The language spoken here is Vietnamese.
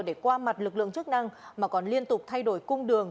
để qua mặt lực lượng chức năng mà còn liên tục thay đổi cung đường